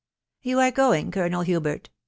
You are going, Colonel Hubert ?